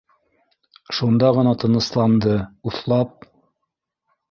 Шунда ғына тынысланды уҫлап